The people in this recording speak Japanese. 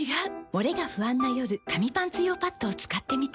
モレが不安な夜紙パンツ用パッドを使ってみた。